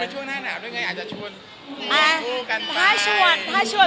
ช่วงหน้าหนาวด้วยไงอาจจะชวน